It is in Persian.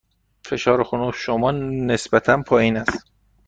فشار خون شما نسبتاً پایین است.